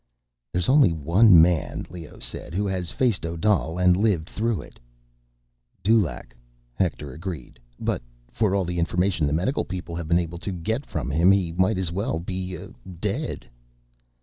"There's only one man," Leoh said, "who has faced Odal and lived through it." "Dulaq," Hector agreed. "But ... for all the information the medical people have been able to get from him, he might as well be, uh, dead."